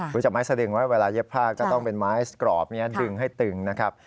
จากไม้สดึงไว้เวลาเย็บผ้าก็ต้องเป็นไม้กรอบนี้ดึงให้ตึงนะครับ